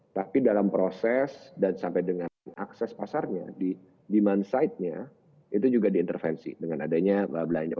tapi dalam proses dan sampai dengan akses tersebut dengan sebuah pemasaran penuh kegiatan bikin kita tuh pada percaya desa tersebut dan untuk bidang sol hiss kita ini yang saya instalkan lagi ini dari buang yang ber desta cruz